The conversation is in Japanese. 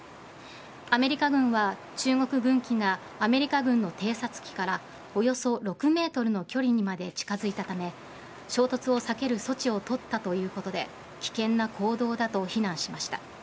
アメリカ軍は中国軍機がアメリカ軍の偵察機からおよそ６ｍの距離にまで近づいたため衝突を避ける措置を取ったということで危険な行動だと非難しました。